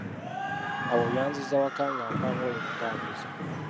Awo yanziza waka ng'ampa ngoye kutambuza.